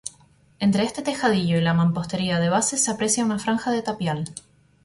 Entre este tejadillo y la mampostería de base se aprecia una franja de tapial.